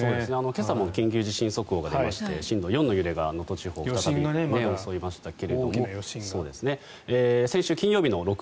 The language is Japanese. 今朝も緊急地震速報が出まして震度４の揺れが能登地方を襲いましたが。